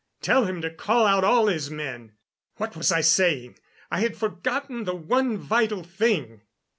Tell him to call out all his men." What was I saying? I had forgotten the one vital thing!